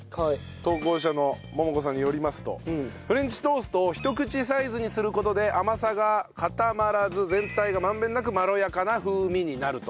投稿者の桃子さんによりますとフレンチトーストをひと口サイズにする事で甘さが固まらず全体が満遍なくまろやかな風味になると。